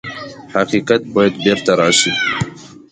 حقیقت باید بېرته راشي.